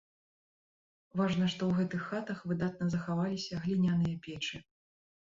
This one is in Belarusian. Важна, што ў гэтых хатах выдатна захаваліся гліняныя печы.